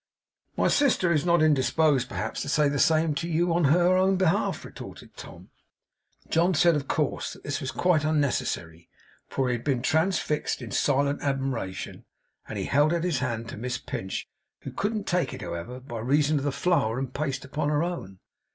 'My sister is not indisposed perhaps to say the same to you on her own behalf,' retorted Tom. John said, of course, that this was quite unnecessary, for he had been transfixed in silent admiration; and he held out his hand to Miss Pinch; who couldn't take it, however, by reason of the flour and paste upon her own.